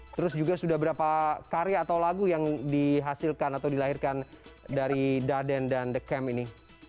terus juga sudah berapa karya atau lagu yang dihasilkan atau dilahirkan dari daden dan the camp ini